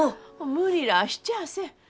無理らあしちゃあせん。